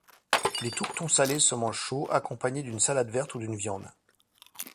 Les tourtons salés se mangent chauds, accompagnés d'une salade verte ou d'une viande.